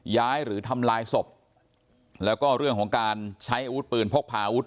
หรือทำลายศพแล้วก็เรื่องของการใช้อาวุธปืนพกพาอาวุธ